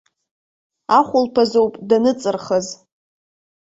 Ахәылԥазоуп даныҵырхыз.